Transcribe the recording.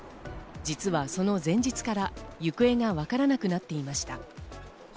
実はその前日から行方がわからなくなっていました。